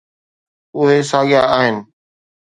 اهي ساڳيا آهن.